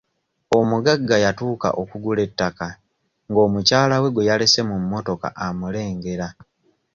Omugagga yatuuka okugula ettaka nga omukyala gwe yalese mu mmotoka amulengera.